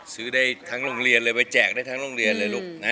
ซื้อได้ทั้งโรงเรียนเลยไปแจกได้ทั้งโรงเรียนเลยลูกนะ